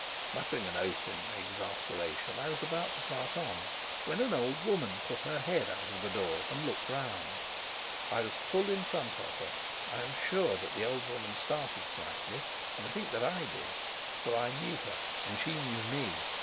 Muttering an oath in my exasperation, I was about to pass on, when an old woman put her head out of the door and looked round. I was full in front of her. I am sure that the old woman started slightly, and I think that I did. For I knew her and she knew me.